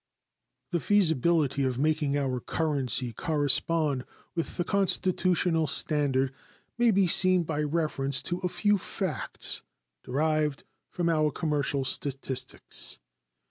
The feasibility of making our currency correspond with the constitutional standard may be seen by reference to a few facts derived from our commercial statistics.